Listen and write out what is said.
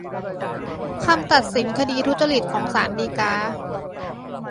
คำตัดสินคดีทุจริตของของศาลฎีกา